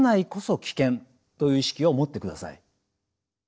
という意識を持ってください。